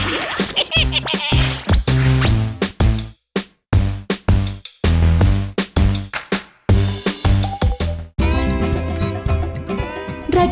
กิทัก